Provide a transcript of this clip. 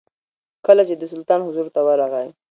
کله چې د سلطان حضور ته ورغی.